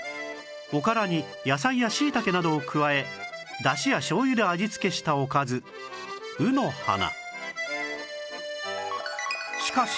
おからに野菜やしいたけなどを加えだしや醤油で味付けしたおかず卯の花